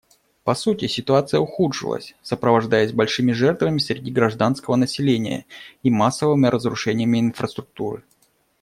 По сути, ситуация ухудшилась, сопровождаясь большими жертвами среди гражданского населения и массовыми разрушениями инфраструктуры.